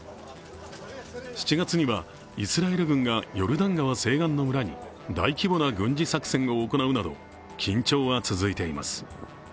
７月にはイスラエル軍がヨルダン川西岸の村に大規模な軍事作戦を行うなど緊張は続いています。